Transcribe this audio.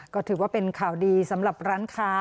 ก็ถือว่าเป็นข่าวดีสำหรับร้านค้า